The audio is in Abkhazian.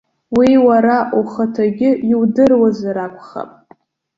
Уи уара ухаҭагьы иудыруазар акәхап.